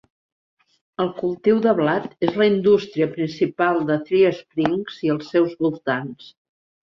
El cultiu de blat és la indústria principal de Three Springs i els seus voltants.